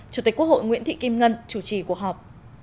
chủ tịch quốc hội nguyễn thị kim ngân chủ trì cuộc họp